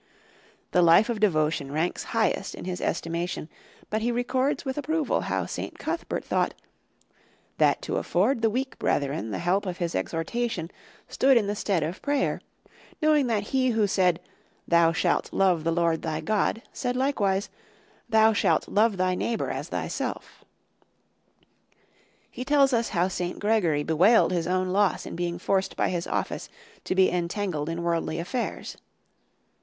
The life of devotion ranks highest in his estimation, but he records with approval how St. Cuthbert thought "that to afford the weak brethren the help of his exhortation stood in the stead of prayer, knowing that He Who said 'Thou shalt love the Lord thy God,' said likewise, 'Thou shalt love thy neighbour as thyself.' " He tells us how St. Gregory bewailed his own loss in being forced by his office to be entangled in worldly affairs.